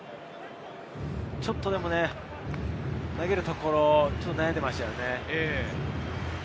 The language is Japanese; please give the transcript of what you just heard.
ちょっとでも投げるところを悩んでいましたね。